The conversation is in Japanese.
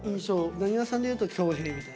なにわさんでいうと恭平みたいな。